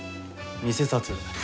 偽札。